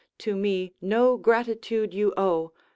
To me no gratitude you owe.